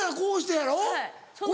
やろ？